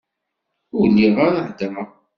Ur lliɣ ara heddreɣ...